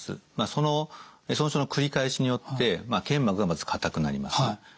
その損傷の繰り返しによって腱膜がまず硬くなります。